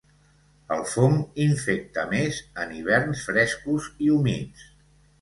El fong infecta més en hiverns frescos i humits.